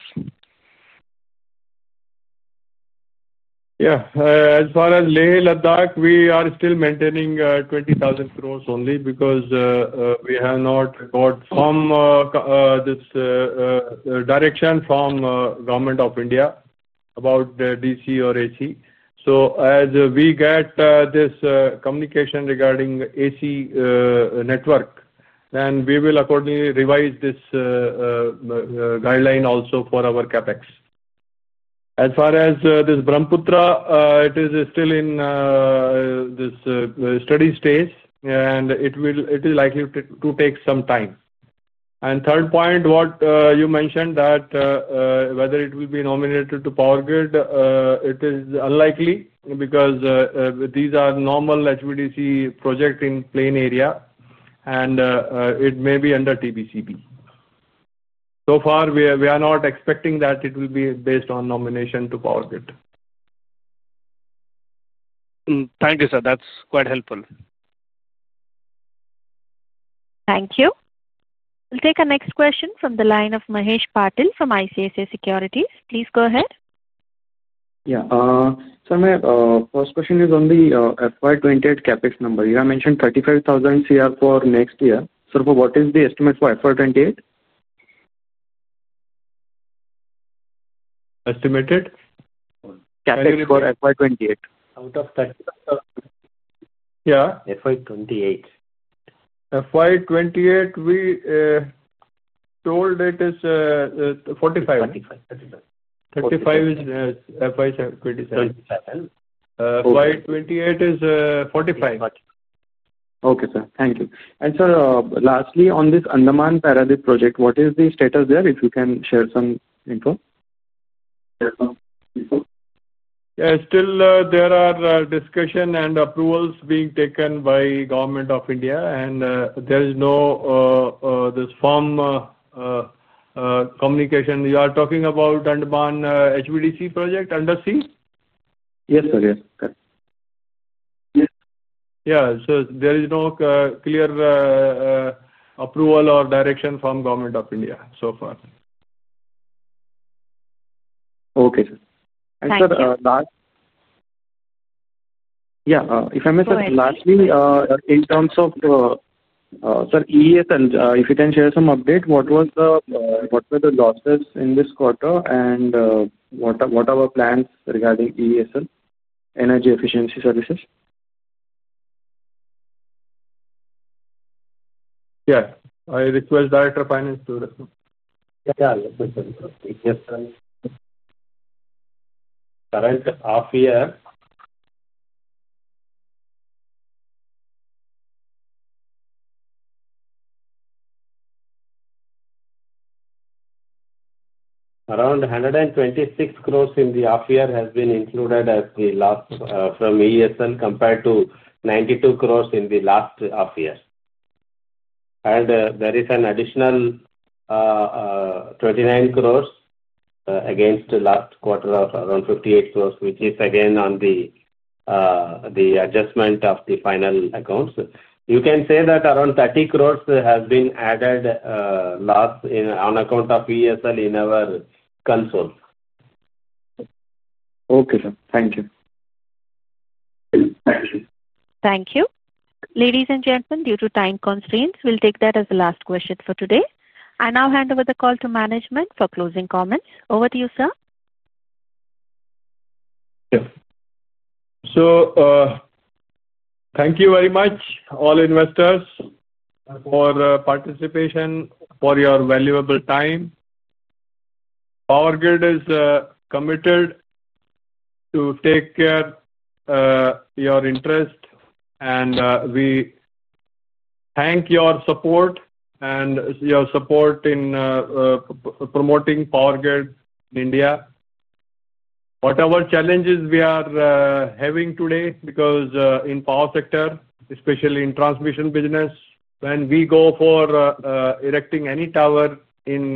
Yeah. As far as Leh-Ladakh, we are still maintaining 20,000 crores only, because we have not gotten this direction from the Government of India, about DC or AC. As we get this communication regarding the AC network, then we will accordingly revise this guideline also for our CapEx. As far as this Brahmaputra, it is still in the study stage and it is likely to take some time. Third point, what you mentioned, whether it will be nominated to Power Grid, it is unlikely because these are normal HVDC projects in plain area and it may be under TBCB. So far, we are not expecting that it will be based on nomination to Power Grid. Thank you, sir. That's quite helpful. Thank you. We'll take a next question from the line of Mahesh Patil from ICICI Securities. Please go ahead. Yeah. Sir, my first question is on the FY 2028 CapEx number. You have mentioned 35,000 crores for next year. Sir, what is the estimate for FY 2028? Estimated? CapEx for FY 2028. Yeah. FY 2028? FY 2028, we said it is 45. 35. 45. 35 is FY 2027. 2027. FY 2028 is 45. Okay, sir. Thank you. Sir, lastly, on this Andaman project, what is the status there? If you can share some info. Still, there are discussions and approvals being taken by Government of India, and there is no formal communication. You are talking about Andaman HVDC project under sea? Yes, sir. Yes, correct. Yeah. There is no clear approval or direction from Government of India so far. Thank you. Okay. Yeah. If I may say lastly, in terms of, sir, EESL, if you can share some update, what were the losses in this quarter and what are our plans regarding EESL, Energy Services? Yeah. I request Director of Finance to respond. Yeah. Current half year, around 126 crores in the half year has been included as the last from EESL compared to 92 crores in the last half year. There is an additional 29 crores. against the last quarter of around 58 crores, which is again on the adjustment of the final accounts. You can say that around 30 crores has been added last, on account of EESL in our console. Okay, sir. Thank you. Thank you. Ladies and gentlemen, due to time constraints, we'll take that as the last question for today. I now hand over the call to management for closing comments. Over to you, sir. Yes. Thank you very much, all investors for participation, for your valuable time. Power Grid is committed to take care of your interest, and we thank your support and your support in promoting Power Grid in India. Whatever challenges we are having today, because in power sector, especially in transmission business, when we go for erecting any tower in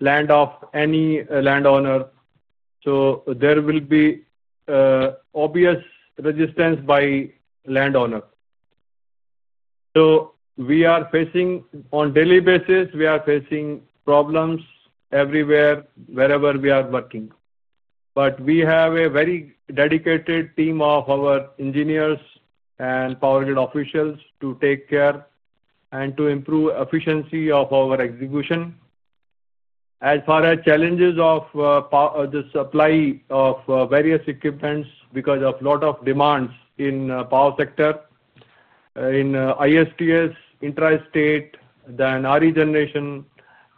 land of any landowner, there will be obvious resistance by landowner. We are facing, on daily basis, problems everywhere, wherever we are working. We have a very dedicated team of our engineers and Power Grid officials to take care, and to improve efficiency of our execution. As far as challenges of the supply of various equipment because of a lot of demands in power sector, in ISPS, interstate, then RE generation,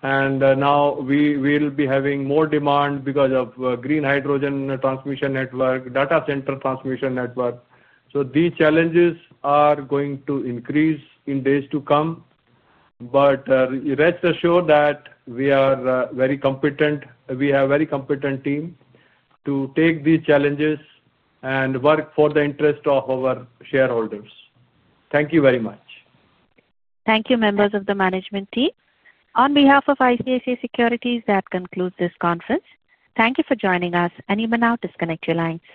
and now we will be having more demand because of green hydrogen transmission network, data center transmission network, these challenges are going to increase in days to come. Rest assured that we are very competent. We have a very competent team to take these challenges, and work for the interest of our shareholders. Thank you very much. Thank you, members of the management team. On behalf of ICICI Securities, that concludes this conference. Thank you for joining us. You may now disconnect your lines.